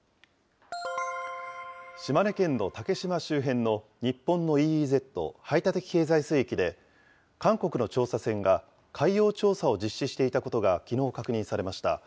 島根県の竹島周辺の日本のＥＥＺ・排他的経済水域で、韓国の調査船が海洋調査を実施していたことがきのう確認されました。